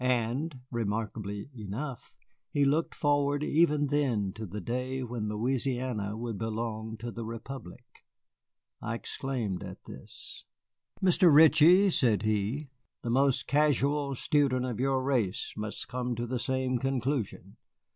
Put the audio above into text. And (remarkably enough) he looked forward even then to the day when Louisiana would belong to the republic. I exclaimed at this. "Mr. Ritchie," said he, "the most casual student of your race must come to the same conclusion.